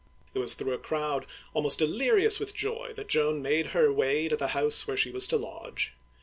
It was through a crowd almost delirious with joy that Joaji made her way to the house where she was to lodge.